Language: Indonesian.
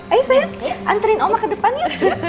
ayo sayang anterin uma ke depan ya